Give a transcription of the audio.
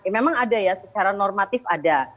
memang ada ya secara normatif ada